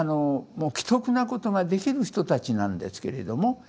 もう奇特なことができる人たちなんですけれども。